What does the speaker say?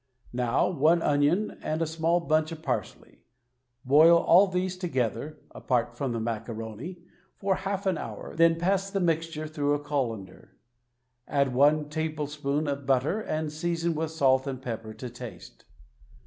Now one onion and a small bunch of parsley; boil all these together (apart from the macaroni) for half an hour, then pass the mixture through a colander; add one tablespoonful of butter and season with salt and pepper to taste.